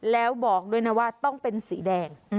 แล้วบอกด้วยนะว่าต้องเป็นสีแดง